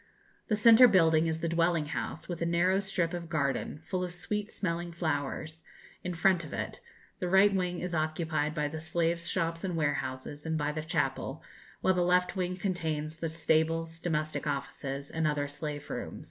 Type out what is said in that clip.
The centre building is the dwelling house, with a narrow strip of garden, full of sweet smelling flowers, in front of it; the right wing is occupied by the slaves' shops and warehouses, and by the chapel; while the left wing contains the stables, domestic offices, and other slave rooms.